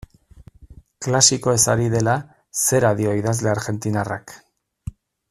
Klasikoez ari dela, zera dio idazle argentinarrak.